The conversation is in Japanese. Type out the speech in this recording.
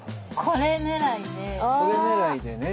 これ狙いでね。